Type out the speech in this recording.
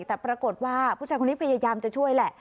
แต่ปรากฏว่าผู้ชายคนนี้พยายามจะช่วยแหละ